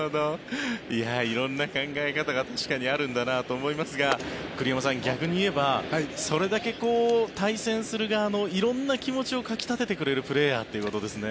色んな考え方が確かにあるんだなと思いますが栗山さん、逆に言えばそれだけ対戦する側の色んな気持ちをかき立ててくれるプレーヤーということですよね。